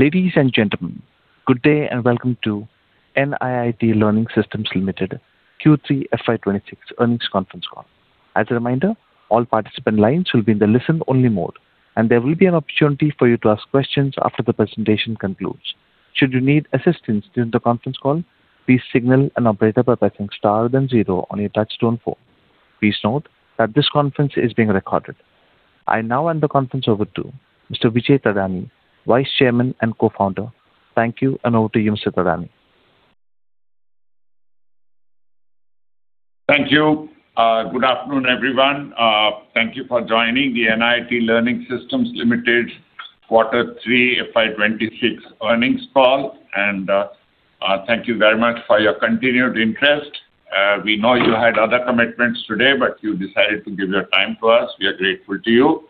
Ladies and gentlemen, good day, and welcome to NIIT Learning Systems Limited Q3 FY 2026 earnings conference call. As a reminder, all participant lines will be in the listen-only mode, and there will be an opportunity for you to ask questions after the presentation concludes. Should you need assistance during the conference call, please signal an operator by pressing star then zero on your touchtone phone. Please note that this conference is being recorded. I now hand the conference over to Mr. Vijay Thadani, Vice Chairman and Co-founder. Thank you, and over to you, Mr. Thadani. Thank you. Good afternoon, everyone. Thank you for joining the NIIT Learning Systems Limited Q3 FY 2026 earnings call and thank you very much for your continued interest. We know you had other commitments today, but you decided to give your time to us. We are grateful to you.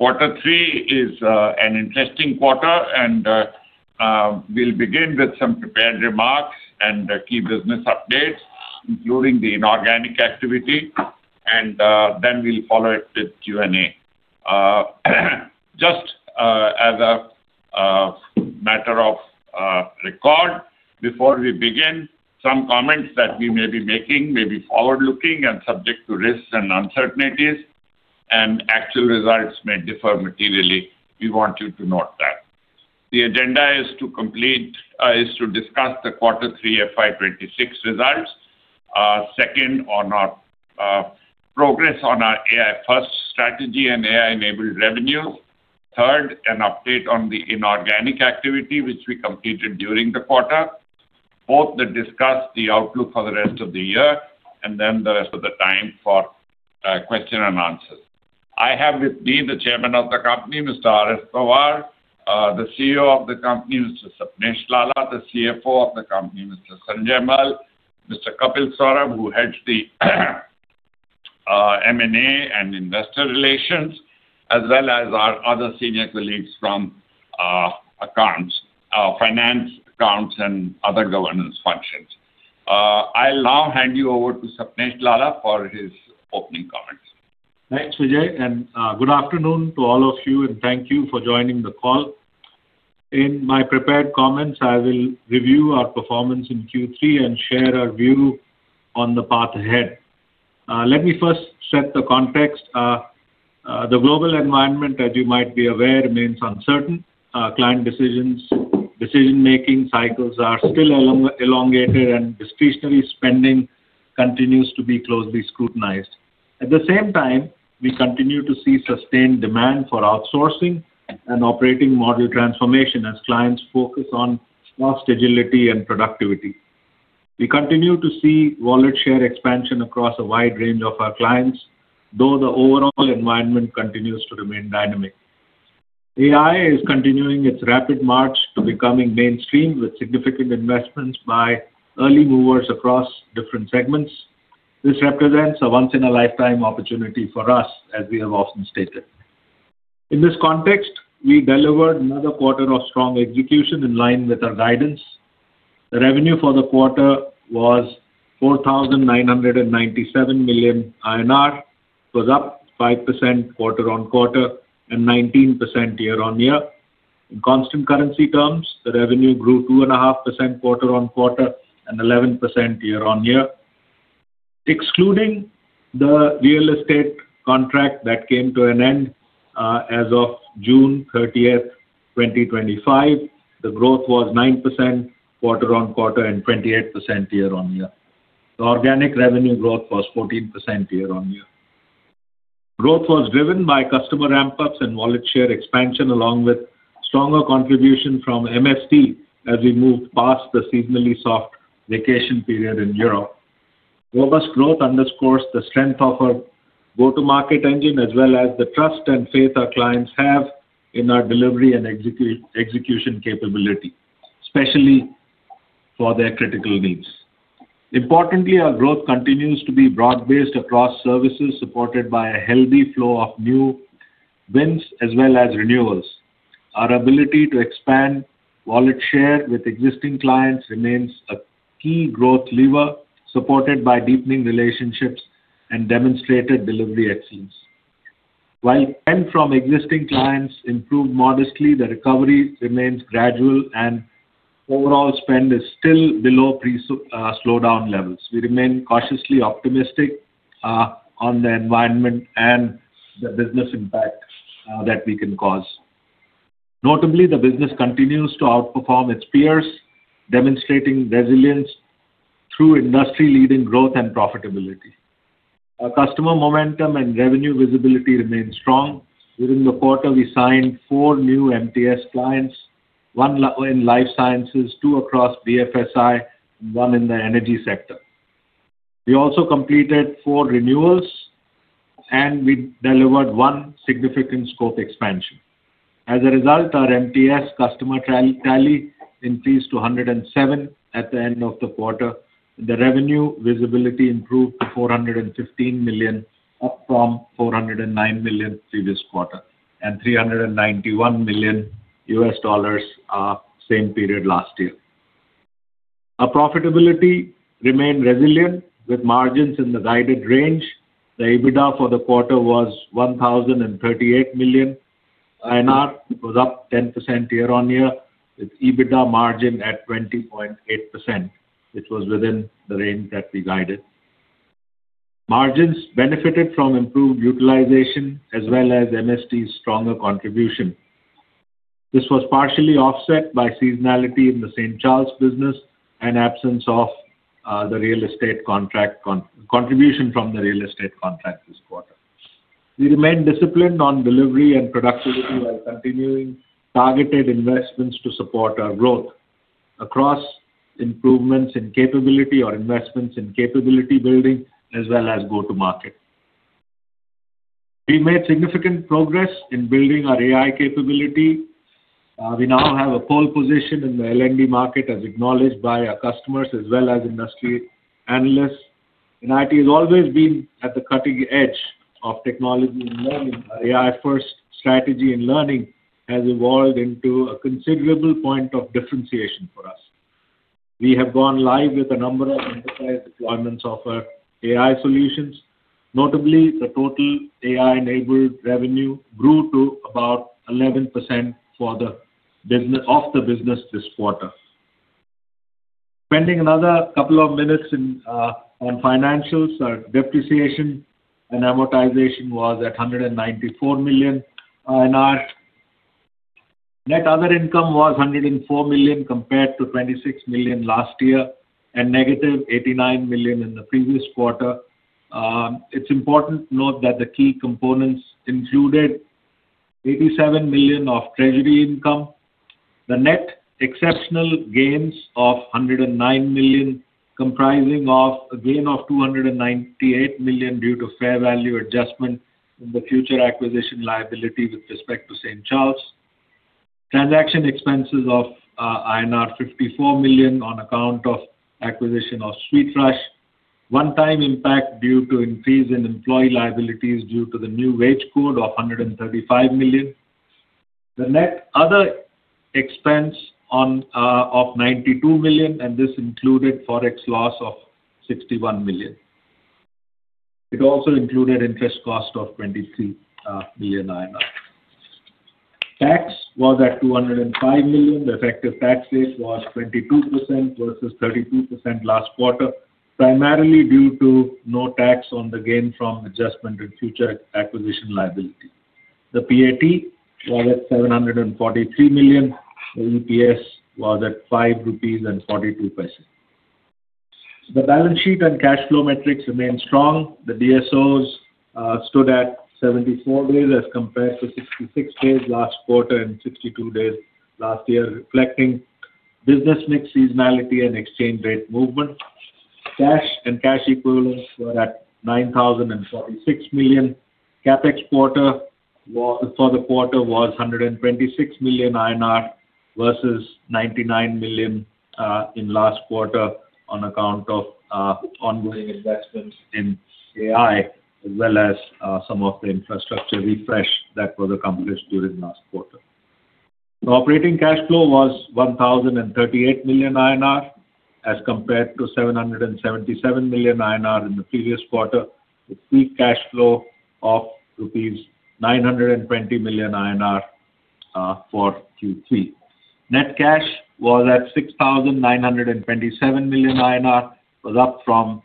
Q3 is an interesting quarter, and we'll begin with some prepared remarks and key business updates, including the inorganic activity, and then we'll follow it with Q&A. Just as a matter of record, before we begin, some comments that we may be making may be forward-looking and subject to risks and uncertainties, and actual results may differ materially. We want you to note that. The agenda is to discuss the Q3 FY 2026 results. Second, on our progress on our AI-first strategy and AI-enabled revenue. Third, an update on the inorganic activity which we completed during the quarter. Fourth, to discuss the outlook for the rest of the year, and then the rest of the time for question and answers. I have with me the Chairman of the company, Mr. R.S. Pawar, the CEO of the company, Mr. Sapnesh Lalla, the CFO of the company, Mr. Sanjay Mal, Mr. Kapil Saurabh, who heads the M&A and investor relations, as well as our other senior colleagues from accounts, finance, accounts, and other governance functions. I'll now hand you over to Sapnesh Lalla for his opening comments. Thanks, Vijay, and good afternoon to all of you, and thank you for joining the call. In my prepared comments, I will review our performance in Q3 and share our view on the path ahead. Let me first set the context. The global environment, as you might be aware, remains uncertain. Client decisions, decision-making cycles are still elongated, and discretionary spending continues to be closely scrutinized. At the same time, we continue to see sustained demand for outsourcing and operating model transformation as clients focus on cost agility and productivity. We continue to see wallet share expansion across a wide range of our clients, though the overall environment continues to remain dynamic. AI is continuing its rapid march to becoming mainstream, with significant investments by early movers across different segments. This represents a once-in-a-lifetime opportunity for us, as we have often stated. In this context, we delivered another quarter of strong execution in line with our guidance. The revenue for the quarter was 4,997 million INR, was up 5% quarter-on-quarter and 19% year-on-year. In constant currency terms, the revenue grew 2.5% quarter-on-quarter and 11% year-on-year. Excluding the real estate contract that came to an end, as of June 30th, 2025, the growth was 9% quarter-on-quarter and 28% year-on-year. The organic revenue growth was 14% year-on-year. Growth was driven by customer ramp-ups and wallet share expansion, along with stronger contribution from MST as we moved past the seasonally soft vacation period in Europe. Robust growth underscores the strength of our go-to-market engine, as well as the trust and faith our clients have in our delivery and execution capability, especially for their critical needs. Importantly, our growth continues to be broad-based across services, supported by a healthy flow of new wins as well as renewals. Our ability to expand wallet share with existing clients remains a key growth lever, supported by deepening relationships and demonstrated delivery excellence. While spend from existing clients improved modestly, the recovery remains gradual, and overall spend is still below pre-slowdown levels. We remain cautiously optimistic on the environment and the business impact that we can cause. Notably, the business continues to outperform its peers, demonstrating resilience through industry-leading growth and profitability. Our customer momentum and revenue visibility remains strong. Within the quarter, we signed four new MTS clients, one in life sciences, two across BFSI, and one in the energy sector. We also completed four renewals, and we delivered one significant scope expansion. As a result, our MTS customer tally increased to 107 at the end of the quarter. The revenue visibility improved to $415 million, up from $409 million previous quarter, and $391 million U.S. dollars same period last year. Our profitability remained resilient, with margins in the guided range. The EBITDA for the quarter was 1,038 million. It was up 10% year-on-year, with EBITDA margin at 20.8%, which was within the range that we guided. Margins benefited from improved utilization, as well as MST's stronger contribution. This was partially offset by seasonality in the St. Charles business, and absence of the real estate contract contribution from the real estate contract this quarter. We remain disciplined on delivery and productivity, while continuing targeted investments to support our growth across improvements in capability or investments in capability building, as well as go-to-market. We made significant progress in building our AI capability. We now have a pole position in the L&D market, as acknowledged by our customers as well as industry analysts. NIIT has always been at the cutting edge of technology and learning. Our AI-First strategy in learning has evolved into a considerable point of differentiation for us. We have gone live with a number of enterprise deployments of our AI solutions. Notably, the total AI-enabled revenue grew to about 11% of the business this quarter. Spending another couple of minutes in on financials. Our depreciation and amortization was at 194 million. Net other income was 104 million, compared to 26 million last year, and negative 89 million in the previous quarter. It's important to note that the key components included 87 million of treasury income, the net exceptional gains of 109 million, comprising of a gain of 298 million due to fair value adjustment in the future acquisition liability with respect to St. Charles. Transaction expenses of INR 54 million on account of acquisition of SweetRush. One-time impact due to increase in employee liabilities due to the new Wage Code of 135 million. The net other expense on of 92 million, and this included Forex loss of 61 million. It also included interest cost of 23 million. Tax was at 205 million. The effective tax rate was 22% versus 32% last quarter, primarily due to no tax on the gain from adjustment in future acquisition liability. The PAT was at 743 million. The EPS was at 5.42 rupees. The balance sheet and cash flow metrics remain strong. The DSOs stood at 74 days, as compared to 66 days last quarter and 62 days last year, reflecting business mix seasonality and exchange rate movement. Cash and cash equivalents were at 9,046 million. CapEx for the quarter was 126 million INR versus 99 million in last quarter on account of ongoing investments in AI, as well as some of the infrastructure refresh that was accomplished during last quarter. The operating cash flow was 1,038 million INR, as compared to 777 million INR in the previous quarter, with free cash flow of rupees 920 million for Q3. Net cash was at 6,927 million INR, was up from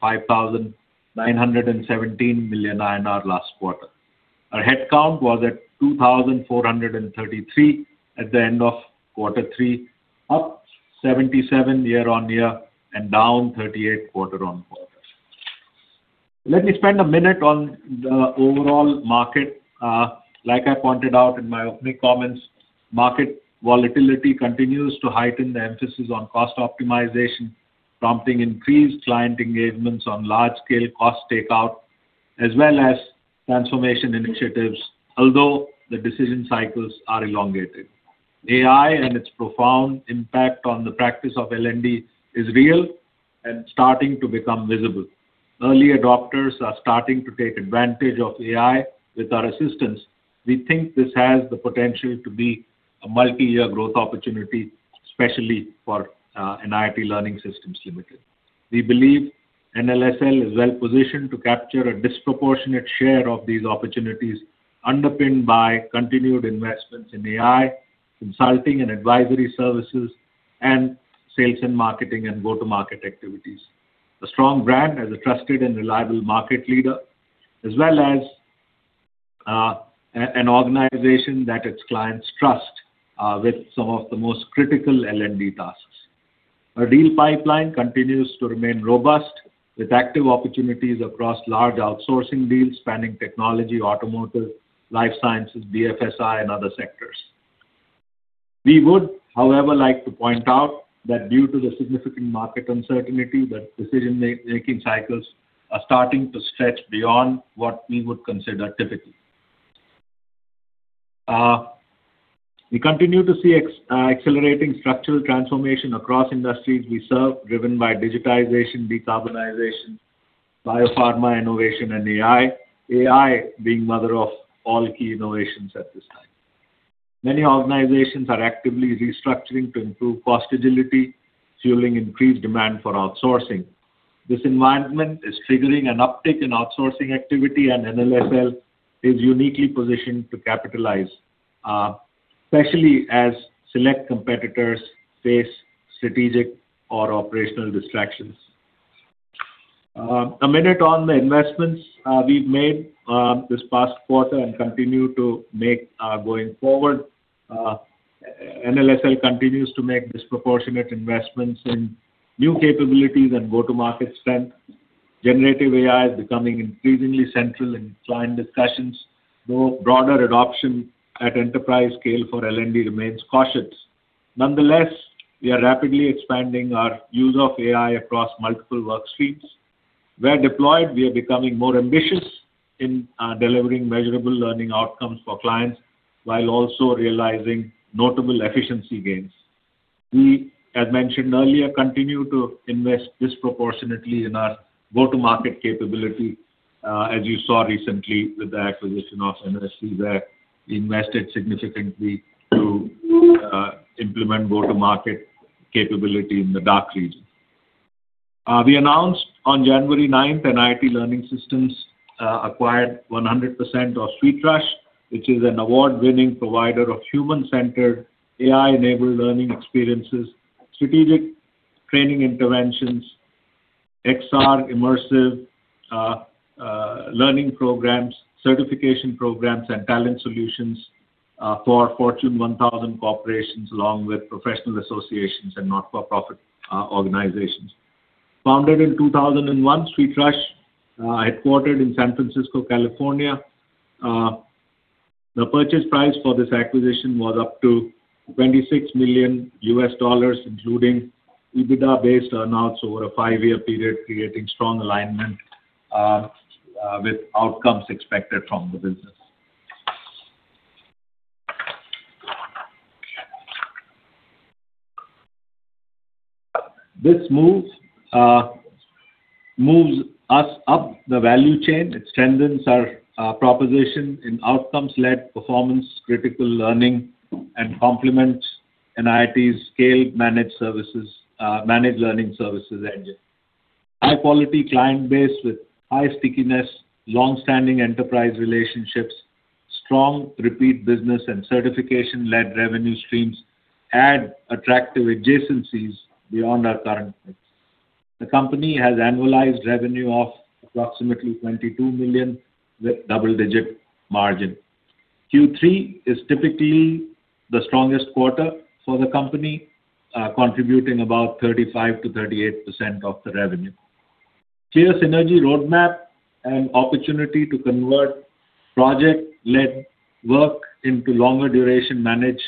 5,917 million INR last quarter. Our headcount was at 2,433 at the end of quarter three, up 77 year-on-year and down 38 quarter-on-quarter. Let me spend a minute on the overall market. Like I pointed out in my opening comments, market volatility continues to heighten the emphasis on cost optimization, prompting increased client engagements on large-scale cost takeout, as well as transformation initiatives, although the decision cycles are elongated. AI and its profound impact on the practice of L&D is real and starting to become visible. Early adopters are starting to take advantage of AI with our assistance. We think this has the potential to be a multi-year growth opportunity, especially for NIIT Learning Systems Limited. We believe NLSL is well positioned to capture a disproportionate share of these opportunities, underpinned by continued investments in AI, consulting and advisory services, and sales and marketing, and go-to-market activities. A strong brand as a trusted and reliable market leader, as well as an organization that its clients trust with some of the most critical L&D tasks. Our deal pipeline continues to remain robust, with active opportunities across large outsourcing deals, spanning technology, automotive, life sciences, BFSI, and other sectors. We would, however, like to point out that due to the significant market uncertainty, that decision making cycles are starting to stretch beyond what we would consider typical. We continue to see accelerating structural transformation across industries we serve, driven by digitization, decarbonization, biopharma innovation, and AI. AI being mother of all key innovations at this time. Many organizations are actively restructuring to improve cost agility, fueling increased demand for outsourcing. This environment is triggering an uptick in outsourcing activity, and NLSL is uniquely positioned to capitalize, especially as select competitors face strategic or operational distractions. A minute on the investments we've made this past quarter and continue to make going forward. NLSL continues to make disproportionate investments in new capabilities and go-to-market strength. Generative AI is becoming increasingly central in client discussions, though broader adoption at enterprise scale for L&D remains cautious. Nonetheless, we are rapidly expanding our use of AI across multiple work streams. Where deployed, we are becoming more ambitious in delivering measurable learning outcomes for clients, while also realizing notable efficiency gains. We, as mentioned earlier, continue to invest disproportionately in our go-to-market capability, as you saw recently with the acquisition of MST, where we invested significantly to implement go-to-market capability in the DACH region. We announced on January 9th, NIIT Learning Systems acquired 100% of SweetRush, which is an award-winning provider of human-centered AI-enabled learning experiences, strategic training interventions, XR immersive learning programs, certification programs, and talent solutions, for Fortune 1000 corporations, along with professional associations and not-for-profit organizations. Founded in 2001, SweetRush, headquartered in San Francisco, California. The purchase price for this acquisition was up to $26 million, including EBITDA-based earn-outs over a five-year period, creating strong alignment with outcomes expected from the business. This moves us up the value chain. It strengthens our proposition in outcomes-led, performance-critical learning, and complements NIIT's scaled managed services, managed learning services engine. High-quality client base with high stickiness, long-standing enterprise relationships, strong repeat business, and certification-led revenue streams add attractive adjacencies beyond our current mix. The company has annualized revenue of approximately $22 million, with double-digit margin. Q3 is typically the strongest quarter for the company, contributing about 35%-38% of the revenue. Clear synergy roadmap and opportunity to convert project-led work into longer duration managed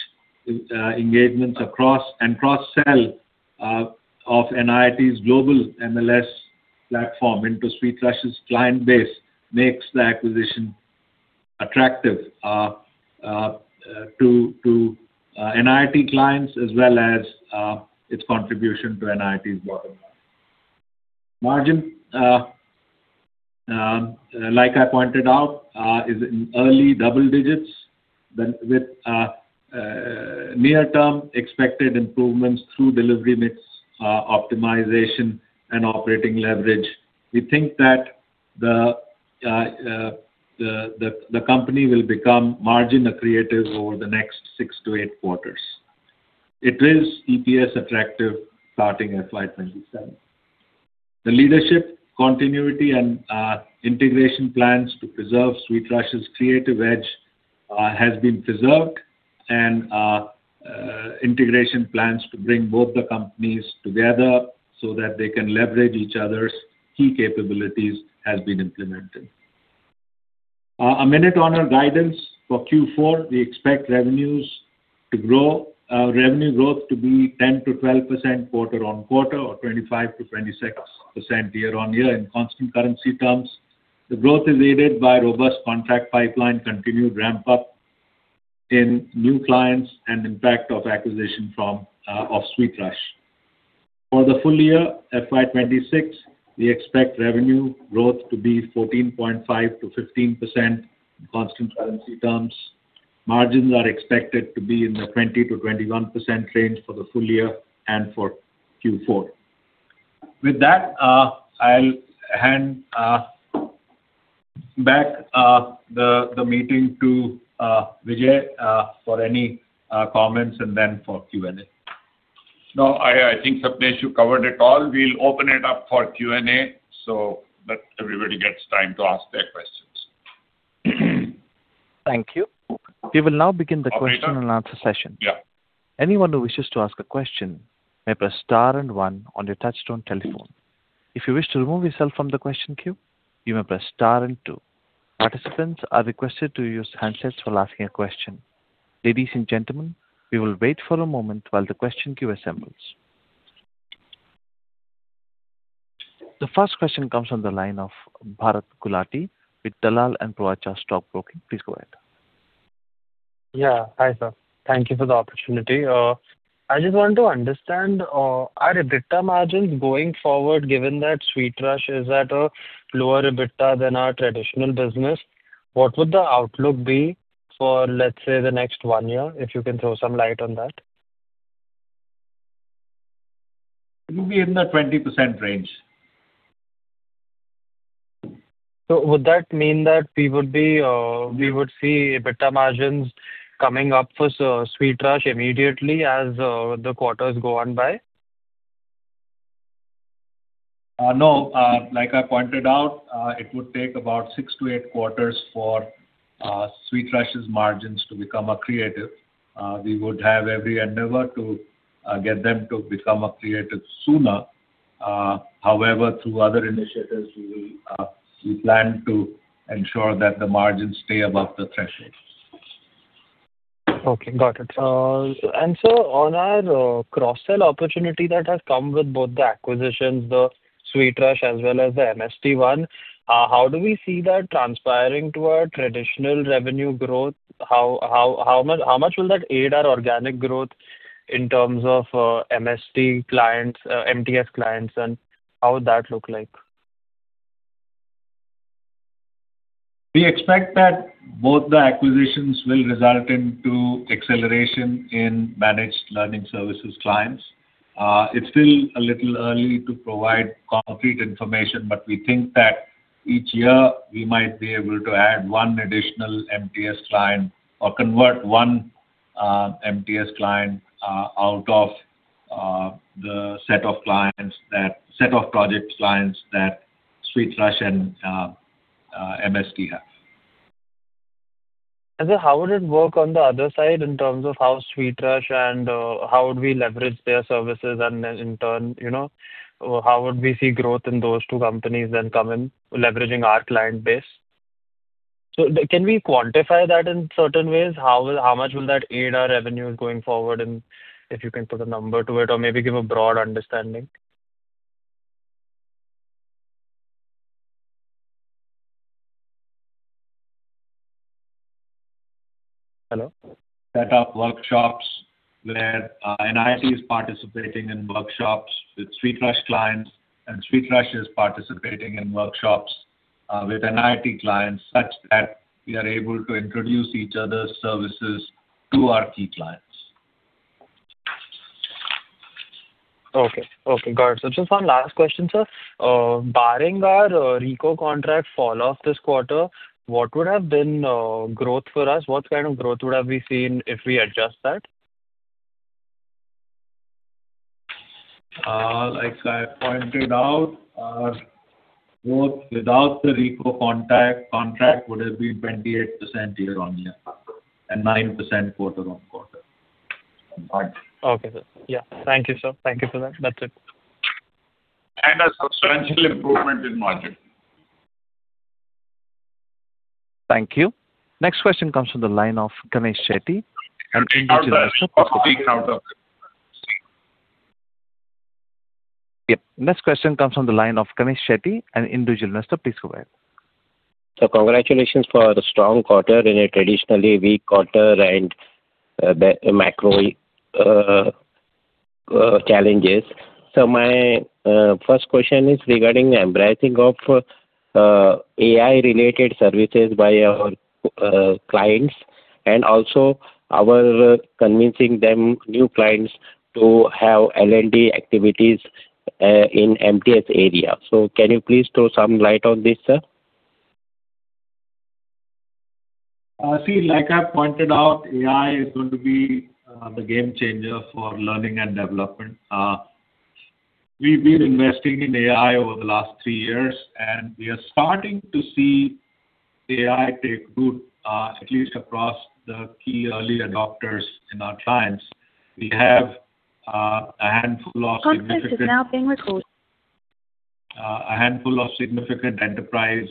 engagements across and cross-sell of NIIT's global MLS platform into SweetRush's client base makes the acquisition attractive to NIIT clients, as well as its contribution to NIIT's bottom line. Margin, like I pointed out, is in early double digits, with near-term expected improvements through delivery mix optimization and operating leverage. We think that the company will become margin accretive over the next six to eight quarters. It is EPS attractive, starting FY 2027. The leadership continuity and integration plans to preserve SweetRush's creative edge has been preserved and integration plans to bring both the companies together so that they can leverage each other's key capabilities has been implemented. A minute on our guidance. For Q4, we expect revenues to grow, revenue growth to be 10%-12% quarter-on-quarter, or 25%-26% year-on-year in constant currency terms. The growth is aided by robust contract pipeline, continued ramp-up in new clients, and impact of acquisition from of SweetRush. For the full year, FY 2026, we expect revenue growth to be 14.5%-15% in constant currency terms. Margins are expected to be in the 20%-21% range for the full year and for Q4. With that, I'll hand back the meeting to Vijay for any comments and then for Q&A. No, I, I think, Sapnesh, you covered it all. We'll open it up for Q&A, so that everybody gets time to ask their questions. Thank you. We will now begin the question- Operator and answer session. Yeah. Anyone who wishes to ask a question may press star and one on your touch-tone telephone. If you wish to remove yourself from the question queue, you may press star and two. Participants are requested to use handsets while asking a question. Ladies and gentlemen, we will wait for a moment while the question queue assembles. The first question comes from the line of Bharat Gulati with Dalal & Broacha Stock Broking. Please go ahead. Yeah. Hi, sir. Thank you for the opportunity. I just want to understand, our EBITDA margins going forward, given that SweetRush is at a lower EBITDA than our traditional business, what would the outlook be for, let's say, the next one year? If you can throw some light on that. It will be in the 20% range. So would that mean that we would be, we would see EBITDA margins coming up for SweetRush immediately as the quarters go on by? No. Like I pointed out, it would take about six to eight quarters for SweetRush's margins to become accretive. We would have every endeavor to get them to become accretive sooner. However, through other initiatives, we will, we plan to ensure that the margins stay above the threshold. Okay, got it. And sir, on our cross-sell opportunity that has come with both the acquisitions, the SweetRush as well as the MST one, how do we see that transpiring to our traditional revenue growth? How much will that aid our organic growth in terms of MST clients, MTS clients, and how would that look like? We expect that both the acquisitions will result into acceleration in managed learning services clients. It's still a little early to provide concrete information, but we think that each year we might be able to add one additional MTS client or convert one MTS client out of the set of project clients that SweetRush and MST have. And then how would it work on the other side in terms of how SweetRush and how would we leverage their services, and then in turn, you know, how would we see growth in those two companies then come in leveraging our client base? So can we quantify that in certain ways? How much will that aid our revenue going forward and if you can put a number to it or maybe give a broad understanding? Hello? Set up workshops where NIIT is participating in workshops with SweetRush clients, and SweetRush is participating in workshops with NIIT clients such that we are able to introduce each other's services to our key clients. Okay. Okay, got it. So just one last question, sir. Barring our Ricoh contract falloff this quarter, what would have been growth for us? What kind of growth would have we seen if we adjust that? Like I pointed out, growth without the Ricoh contract would have been 28% year-on-year and 9% quarter-on-quarter. Okay, sir. Yeah. Thank you, sir. Thank you for that. That's it. A substantial improvement in margin. Thank you. Next question comes from the line of Ganesh Shetty, an individual. Yep. Next question comes from the line of Ganesh Shetty, an individual investor. Please go ahead. So, congratulations for the strong quarter in a traditionally weak quarter and the macro challenges. So, my first question is regarding embracing of AI-related services by our clients, and also our convincing new clients to have L&D activities in MTS area. So, can you please throw some light on this, sir? See, like I pointed out, AI is going to be the game changer for learning and development. We've been investing in AI over the last three years, and we are starting to see AI take root, at least across the key early adopters in our clients. We have a handful of significant- Conference is now being recorded. A handful of significant enterprise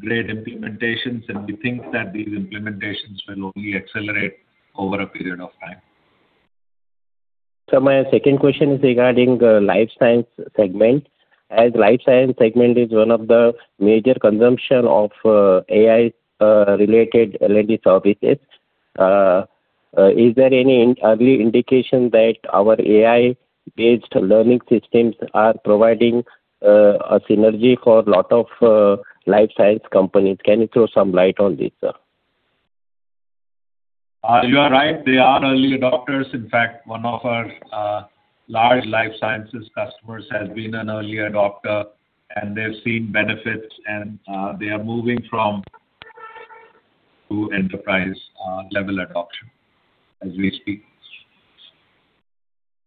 great implementations, and we think that these implementations will only accelerate over a period of time. My second question is regarding the life science segment. As life science segment is one of the major consumption of AI related L&D services, is there any early indication that our AI-based learning systems are providing a synergy for a lot of life science companies? Can you throw some light on this, sir? You are right, they are early adopters. In fact, one of our large life sciences customers has been an early adopter, and they've seen benefits, and they are moving from... to enterprise level adoption as we speak.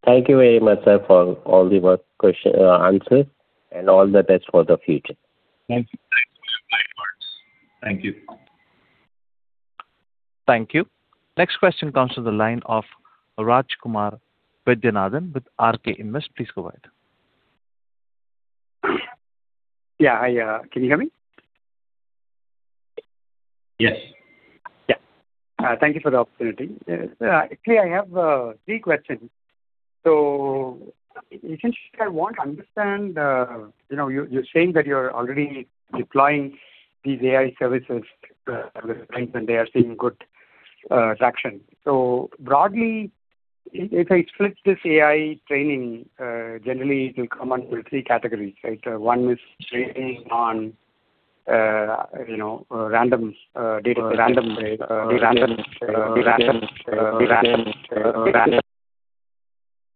Thank you very much, sir, for all the work, question, answer, and all the best for the future. Thank you. Thanks for your kind words. Thank you. Thank you. Next question comes from the line of [Rajkumar Vidyanathan] with RK Invest. Please go ahead. Yeah, I... Can you hear me? Yes. Yeah. Thank you for the opportunity. Actually, I have three questions. I want to understand, you know, you're saying that you're already deploying these AI services, and they are seeing good traction. So broadly, if I split this AI training, generally it will come under three categories, right? One is training on, you know, random data.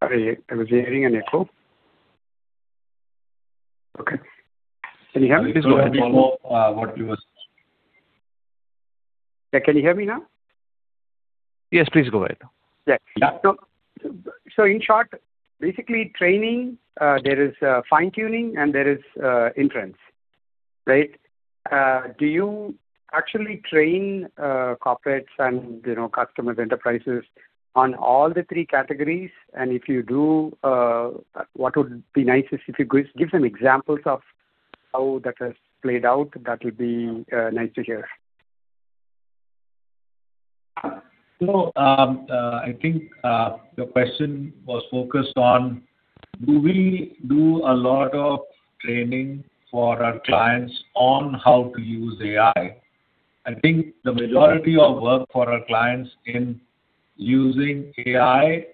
I was hearing an echo. Okay. Can you hear me? Please go ahead, follow what you were- Yeah. Can you hear me now? Yes, please go ahead. Yeah. So, so in short, basically training, there is, fine-tuning and there is, inference, right? Do you actually train, corporates and, you know, customer enterprises on all the three categories? And if you do, what would be nice is if you give, give some examples of how that has played out. That would be, nice to hear. So, I think the question was focused on, do we do a lot of training for our clients on how to use AI? I think the majority of work for our clients in using AI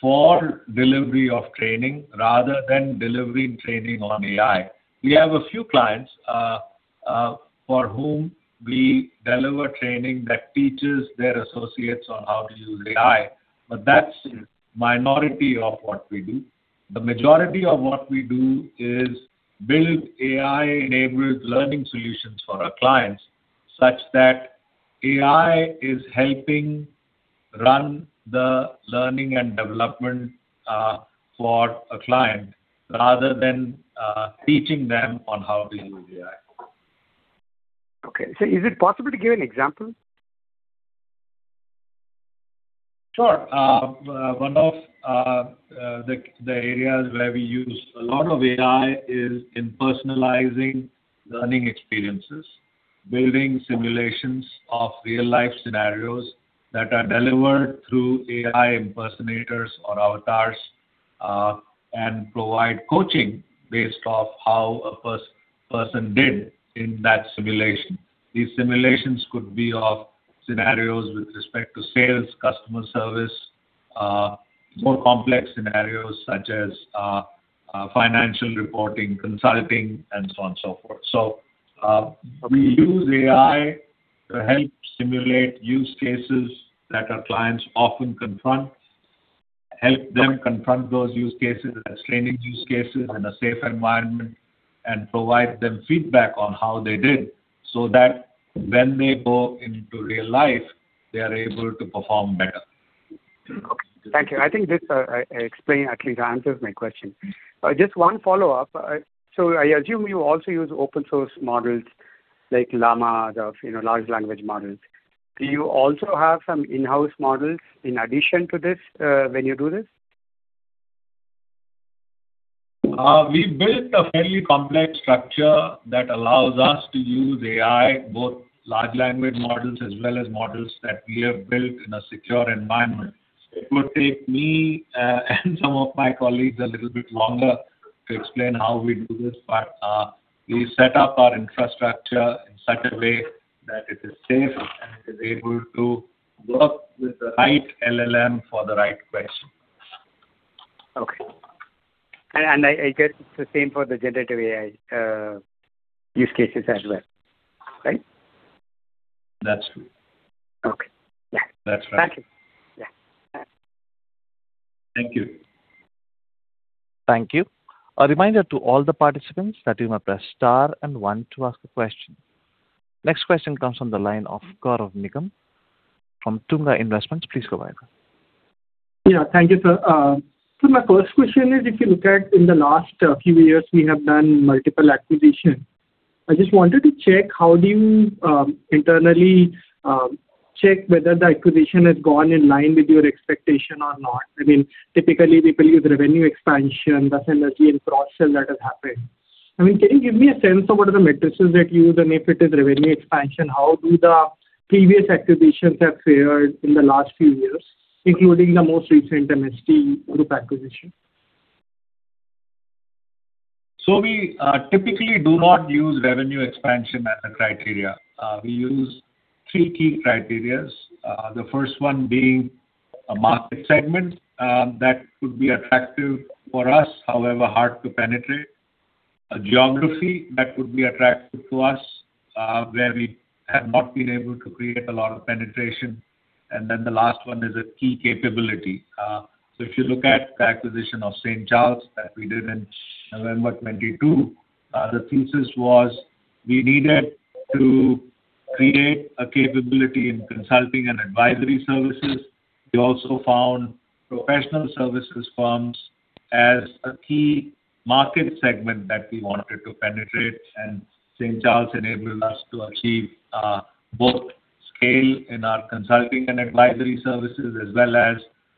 for delivery of training rather than delivering training on AI. We have a few clients for whom we deliver training that teaches their associates on how to use AI, but that's minority of what we do. The majority of what we do is build AI-enabled learning solutions for our clients, such that AI is helping run the learning and development for a client rather than teaching them on how to use AI. Okay. So is it possible to give an example? Sure. One of the areas where we use a lot of AI is in personalizing learning experiences, building simulations of real-life scenarios that are delivered through AI impersonators or avatars, and provide coaching based off how a person did in that simulation. These simulations could be of scenarios with respect to sales, customer service, more complex scenarios such as financial reporting, consulting, and so on, so forth. So, we use AI to help simulate use cases that our clients often confront, help them confront those use cases and training use cases in a safe environment, and provide them feedback on how they did, so that when they go into real life, they are able to perform better. Okay. Thank you. I think this at least answers my question. Just one follow-up. So I assume you also use open-source models like Llama, you know, large language models. Do you also have some in-house models in addition to this, when you do this? We built a fairly complex structure that allows us to use AI, both large language models as well as models that we have built in a secure environment. It would take me, and some of my colleagues a little bit longer to explain how we do this, but, we set up our infrastructure in such a way that it is safe and it is able to work with the right LLM for the right question. Okay. And I get it's the same for the generative AI use cases as well, right? That's true. Okay. Yeah. That's right. Thank you. Yeah. Thank you. Thank you. A reminder to all the participants that you may press star and one to ask a question. Next question comes from the line of Gaurav Nigam from Tunga Investments. Please go ahead, Gaurav. Yeah. Thank you, sir. So my first question is, if you look at in the last few years, we have done multiple acquisitions. I just wanted to check, how do you internally check whether the acquisition has gone in line with your expectation or not? I mean, typically we believe revenue expansion, synergy, and cross-sell that has happened. I mean, can you give me a sense of what are the metrics that you use? And if it is revenue expansion, how do the previous acquisitions have fared in the last few years, including the most recent MST Group acquisition? So we typically do not use revenue expansion as a criteria. We use three key criteria. The first one being a market segment that could be attractive for us, however, hard to penetrate. A geography that would be attractive to us, where we have not been able to create a lot of penetration. And then the last one is a key capability. So if you look at the acquisition of St. Charles, that we did in November 2022, the thesis was we needed to create a capability in consulting and advisory services. We also found professional services firms as a key market segment that we wanted to penetrate, and St. Charles enabled us to achieve both scale in our consulting and advisory services, as well as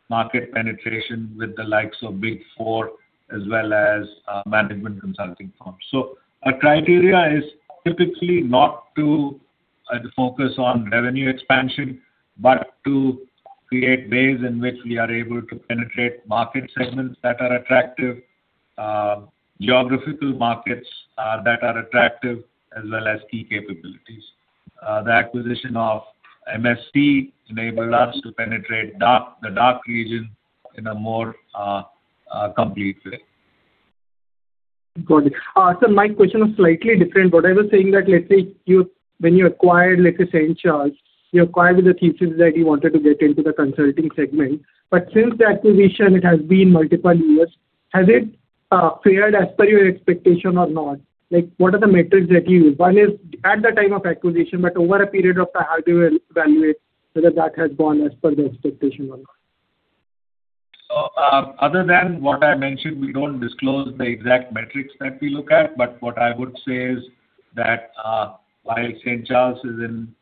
market penetration with the likes of Big Four, as well as management consulting firms. So our criteria is typically not and focus on revenue expansion, but to create ways in which we are able to penetrate market segments that are attractive, geographical markets, that are attractive, as well as key capabilities. The acquisition of MST enabled us to penetrate the DACH region in a more complete way. Got it. So my question is slightly different. What I was saying that, let's say, you-- when you acquired, like, St. Charles, you acquired with a thesis that you wanted to get into the consulting segment. But since the acquisition, it has been multiple years, has it fared as per your expectation or not? Like, what are the metrics that you use? One is at the time of acquisition, but over a period of time, how do you evaluate whether that has gone as per the expectation or not? So, other than what I mentioned, we don't disclose the exact metrics that we look at. But what I would say is that, while St. Charles is in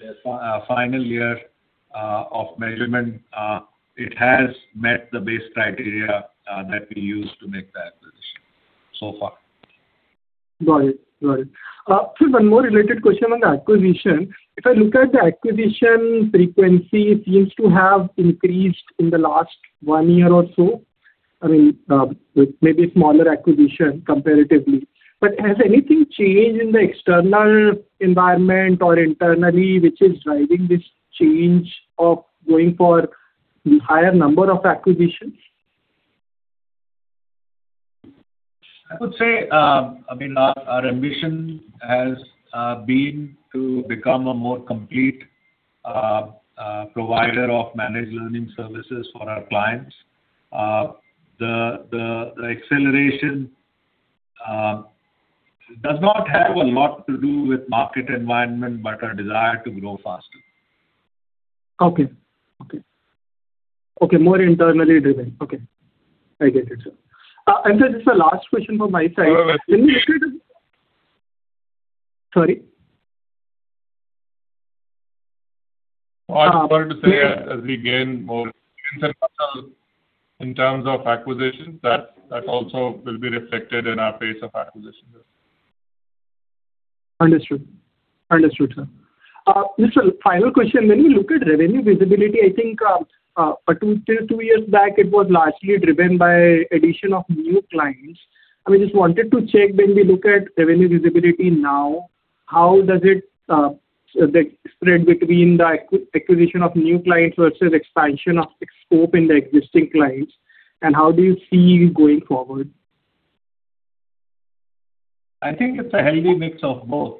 their final year of measurement, it has met the base criteria that we used to make that acquisition so far. Got it. Got it. Sir, one more related question on the acquisition. If I look at the acquisition frequency, it seems to have increased in the last one year or so. I mean, maybe smaller acquisition comparatively. But has anything changed in the external environment or internally, which is driving this change of going for higher number of acquisitions? I would say, I mean, our ambition has been to become a more complete provider of managed learning services for our clients. The acceleration does not have a lot to do with market environment, but our desire to grow faster. Okay. Okay. Okay, more internally driven. Okay, I get it, sir. And sir, this is the last question from my side. No, wait, wait. Sorry? I was going to say, as we gain more muscle in terms of acquisitions, that also will be reflected in our pace of acquisitions. Understood. Understood, sir. Just a final question. When you look at revenue visibility, I think, two, two years back, it was largely driven by addition of new clients. I just wanted to check, when we look at revenue visibility now, how does it, the spread between the acquisition of new clients versus expansion of scope in the existing clients, and how do you see it going forward? I think it's a healthy mix of both.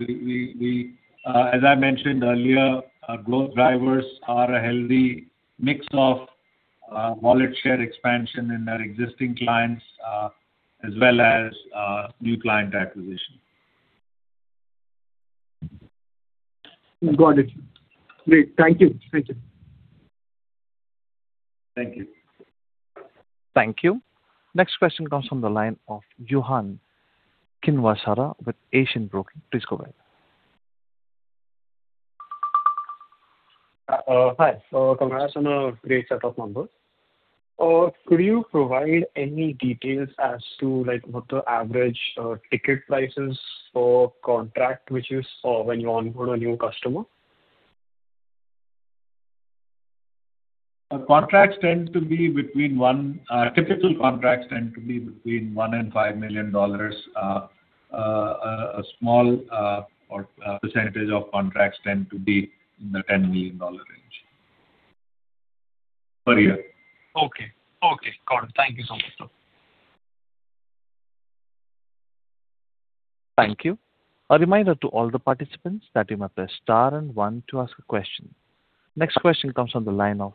We, as I mentioned earlier, our growth drivers are a healthy mix of wallet share expansion in our existing clients, as well as new client acquisition. Got it. Great. Thank you. Thank you. Thank you. Thank you. Next question comes from the line of Yohan Khinvasara with Asian Broking. Please go ahead. Hi. So congratulations on a great set of numbers. Could you provide any details as to, like, what the average ticket prices or contract, which is, when you onboard a new customer? Our contracts tend to be between $1 million... Typical contracts tend to be between $1 million and $5 million. A small percentage of contracts tend to be in the $10 million range per year. Okay. Okay, got it. Thank you so much, sir. Thank you. A reminder to all the participants that you may press star and one to ask a question. Next question comes from the line of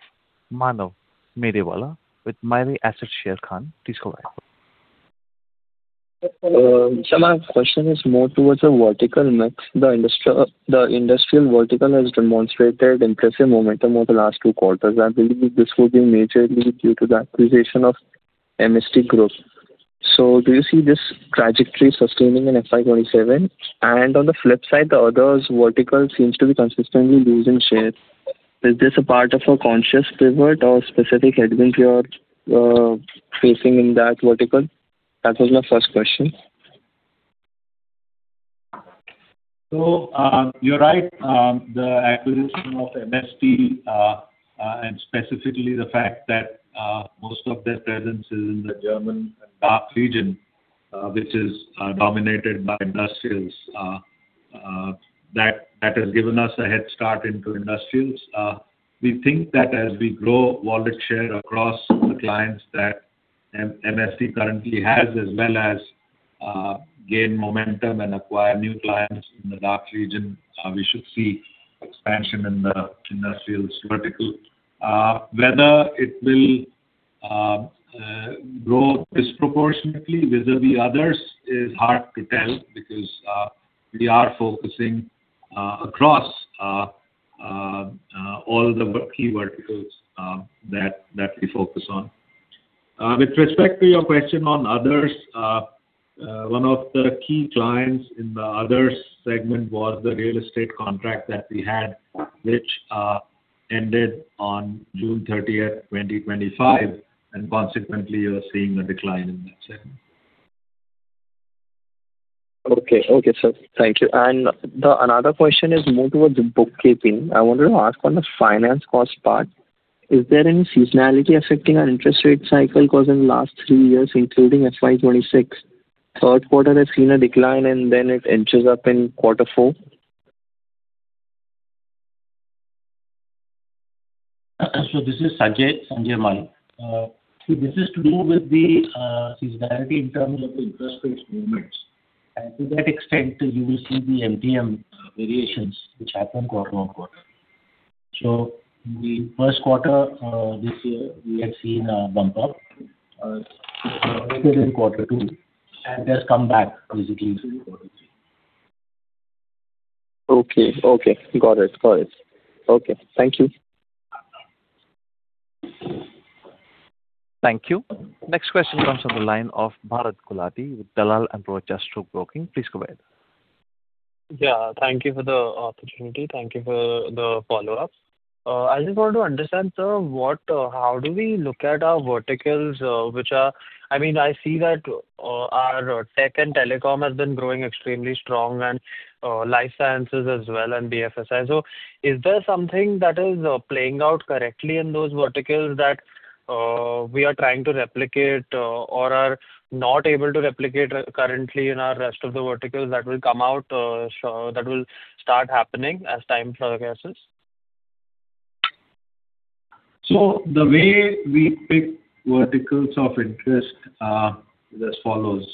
Manav Medewala with Mirae Asset Sharekhan. Please go ahead. So my question is more towards a vertical mix. The industrial vertical has demonstrated impressive momentum over the last two quarters. I believe this would be majorly due to the acquisition of MST Group. So do you see this trajectory sustaining in FY 2027? And on the flip side, the others vertical seems to be consistently losing share. Is this a part of a conscious pivot or specific headwind you are facing in that vertical? That was my first question. You're right. The acquisition of MST, and specifically the fact that most of their presence is in the German DACH region, which is dominated by industrials, that has given us a head start into industrials. We think that as we grow wallet share across the clients that MST currently has, as well as gain momentum and acquire new clients in the DACH region, we should see expansion in the industrials vertical. Whether it will grow disproportionately vis-à-vis others is hard to tell, because we are focusing across all the key verticals that we focus on. With respect to your question on others, one of the key clients in the others segment was the real estate contract that we had, which ended on June thirtieth, twenty twenty-five, and consequently, you are seeing a decline in that segment. Okay, okay, sir, thank you. Another question is more towards the bookkeeping. I wanted to ask on the finance cost part, is there any seasonality affecting our interest rate cycle? Because in the last three years, including FY 2026, third quarter has seen a decline, and then it inches up in quarter four. So this is Sanjay Mal. This is to do with the seasonality in terms of the interest rates movements. And to that extent, you will see the MTM variations which happen quarter on quarter. So in the first quarter this year, we had seen a bump up in quarter two, and there's come back obviously in quarter three. Okay. Okay, got it. Got it. Okay. Thank you. Thank you. Next question comes from the line of Bharat Gulati with Dalal & Broacha Stock Broking. Please go ahead. Yeah, thank you for the opportunity. Thank you for the follow-up. I just want to understand, sir, what—how do we look at our verticals, which are... I mean, I see that, our tech and telecom has been growing extremely strong, and, life sciences as well, and BFSI. So is there something that is, playing out correctly in those verticals that, we are trying to replicate, or are not able to replicate currently in our rest of the verticals that will come out, so that will start happening as time progresses? So the way we pick verticals of interest is as follows.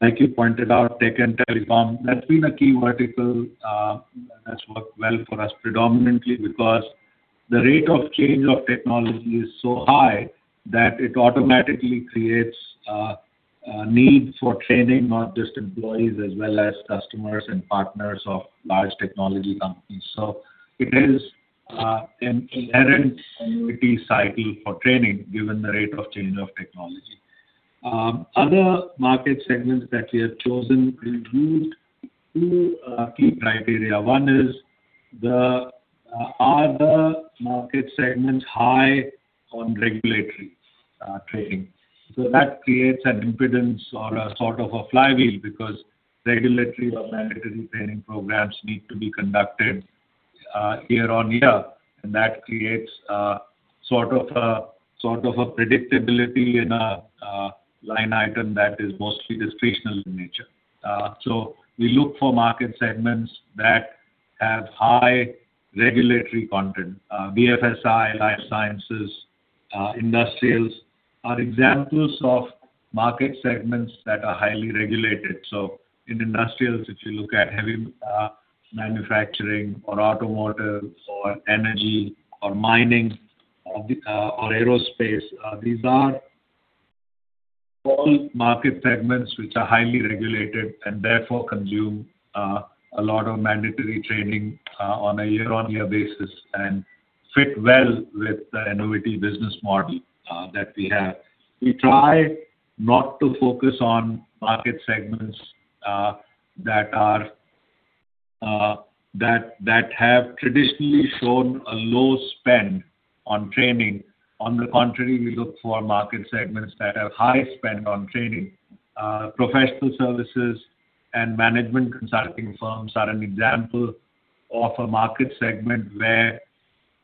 Like you pointed out, tech and telecom, that's been a key vertical that's worked well for us, predominantly because the rate of change of technology is so high that it automatically creates need for training, not just employees as well as customers and partners of large technology companies. So it is an inherent annuity cycle for training, given the rate of change of technology. Other market segments that we have chosen include two key criteria. One is, are the market segments high on regulatory training? So that creates an impedance or a sort of a flywheel, because regulatory or mandatory training programs need to be conducted year-on-year, and that creates a sort of a predictability in a line item that is mostly discretionary in nature. So we look for market segments that have high regulatory content. BFSI, life sciences, industrials are examples of market segments that are highly regulated. So in industrials, if you look at heavy manufacturing or automotive or energy or mining or aerospace, these are all market segments which are highly regulated and therefore consume a lot of mandatory training on a year-on-year basis and fit well with the annuity business model that we have. We try not to focus on market segments that have traditionally shown a low spend on training. On the contrary, we look for market segments that have high spend on training. Professional services and management consulting firms are an example of a market segment where